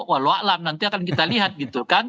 walau alam nanti akan kita lihat gitu kan